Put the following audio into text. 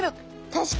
確かに。